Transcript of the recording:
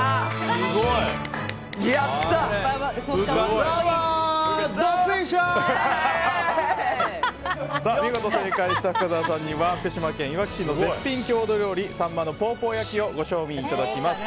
すごい！見事正解した深澤さんには福島県いわき市の絶品郷土料理さんまのポーポー焼きをご賞味いただきます。